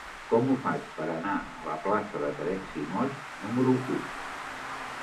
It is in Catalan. Com ho faig per anar a la plaça de Terenci Moix número u?